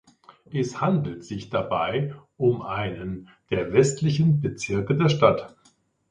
Es handelt sich dabei um einen der westlichen Bezirke der Stadt.